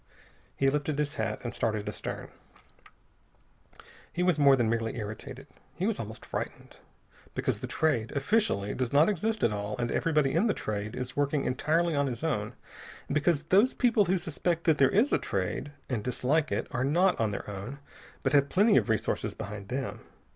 He lifted his hat and started astern. He was more than merely irritated. He was almost frightened. Because the Trade, officially, does not exist at all, and everybody in the Trade is working entirely on his own; and because those people who suspect that there is a Trade and dislike it are not on their own, but have plenty of resources behind them.